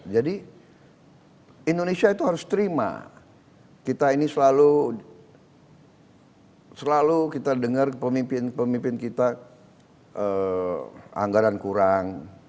jadi indonesia itu harus terima kita ini selalu selalu kita dengar pemimpin pemimpin kita anggaran kurang